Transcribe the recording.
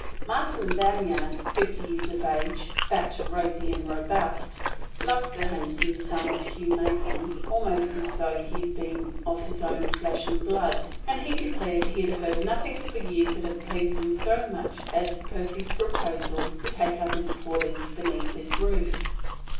Martin Vanyard, fifty years of age, fat, rosy and robust, loved the handsome son of Hugh Maitland almost as though he had been of his own flesh and blood; and he declared he'd heard nothing for years that had pleased him so much as had Percy's proposal to take up his quarters beneath his roof.